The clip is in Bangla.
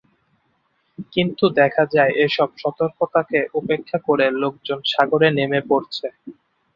কিন্তু দেখা যায়, এসব সতর্কতাকে উপেক্ষা করে লোকজন সাগরে নেমে পড়ছে।